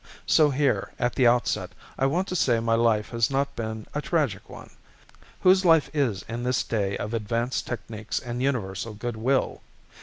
So here, at the outset, I want to say my life has not been a tragic one whose life is in this day of advanced techniques and universal good will?